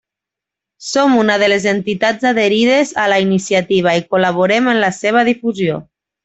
Som una de les entitats adherides a la iniciativa i col·laborem en la seva difusió.